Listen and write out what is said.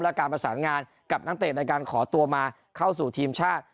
และการประสานงานกับนักเตะในการขอตัวมาเข้าสู่ทีมชาติ